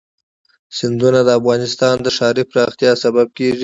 سیندونه د افغانستان د ښاري پراختیا سبب کېږي.